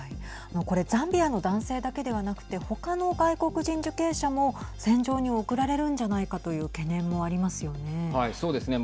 これザンビアの男性だけではなくて他の外国人受刑者も戦場に送られるんじゃないかという懸念もありますよね。